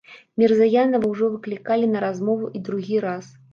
Мірзаянава ўжо выклікалі на размову і другі раз.